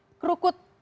pintu air kerukut